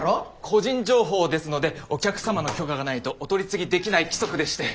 個人情報ですのでお客様の許可がないとお取り次ぎできない規則でして。